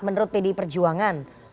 menurut pd perjuangan